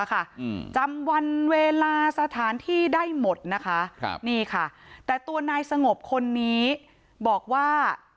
จำวันเวลาสถานที่ได้หมดนะคะครับนี่ค่ะแต่ตัวนายสงบคนนี้บอกว่า